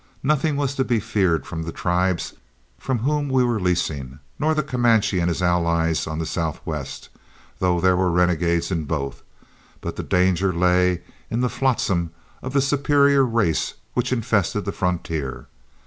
Nothing was to be feared from the tribes from whom we were leasing, nor the Comanche and his allies on the southwest, though there were renegades in both; but the danger lay in the flotsam of the superior race which infested the frontier.